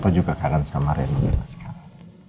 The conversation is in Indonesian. mama juga kangen sama reina sama askara